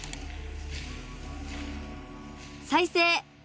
再生！